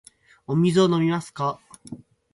お水を飲みますか。